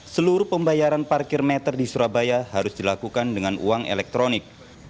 seluruh pembayaran parkir meter di surabaya harus dilakukan dengan uang elektronik